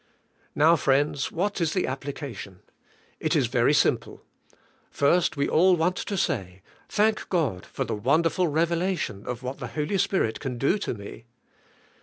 Now, friends, what is the application? It is very simple. First we all want to say, "Thank God for the wonderful revelation of what the Holy Spirit can do to me!"